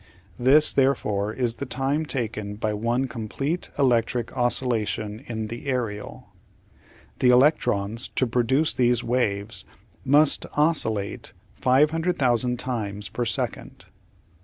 This, therefore, is the time taken by one complete electric oscillation in the aerial. The electrons, to produce these waves, must oscillate 500,000 times per second.